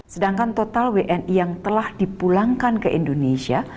sedangkan total wni yang telah dipulangkan ke indonesia